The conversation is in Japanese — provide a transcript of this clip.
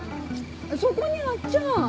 そこにあっちゃ。